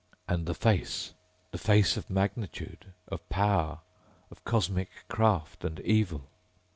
And the face ... the face of magnitude ... of power of cosmic craft and evil....